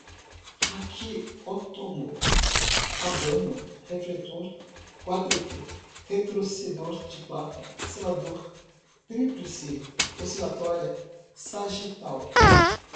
raquiotomo, abano, refletor, quadripe, retorcedor de placa, seladora, tríplice, oscilatória, sagital